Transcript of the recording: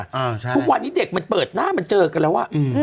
พวกวันนี้เด็กมันเปิดหน้ามันเจอกันแล้ว